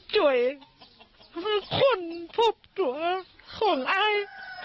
จ่วยคนทุกตัวของไอ้